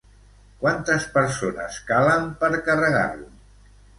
Quantes persones calen per carregar-lo?